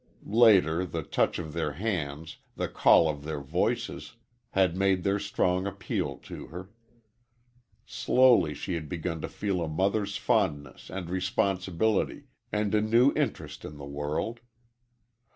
Later, the touch of their hands, the call of their voices, had made their strong appeal to her. Slowly she had begun to feel a mother's fondness and responsibility and a new interest in the world.